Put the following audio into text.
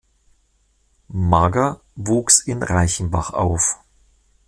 Mager wuchs in Reichenbach auf.